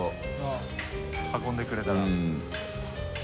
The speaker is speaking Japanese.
運んでくれたら。